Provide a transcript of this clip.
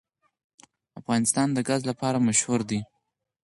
افغانستان د ګاز لپاره مشهور دی.